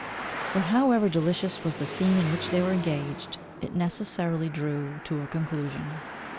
But however delicious was the scene in which they were engaged, it necessarily drew to a conclusion.